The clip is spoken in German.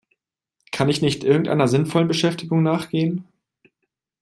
Kann ich nicht irgendeiner sinnvollen Beschäftigung nachgehen?